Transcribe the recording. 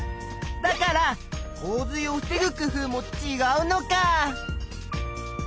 だから洪水を防ぐ工夫もちがうのか。